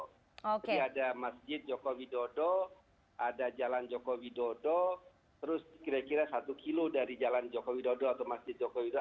jadi ada masjid joko widodo ada jalan joko widodo terus kira kira satu km dari jalan joko widodo atau masjid joko widodo